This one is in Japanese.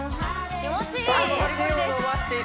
気持ちいい！